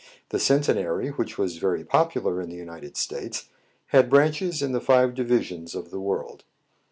The Centenary, which was yery popular in the United States, had branches in the five divisions of the world.